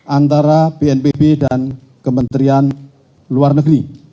antara bnpb dan kementerian luar negeri